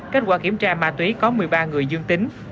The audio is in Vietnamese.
kết quả kiểm tra ma túy có một mươi ba người dương tính